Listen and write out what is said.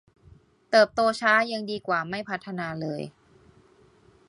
เติบโตช้ายังดีกว่าไม่พัฒนาเลย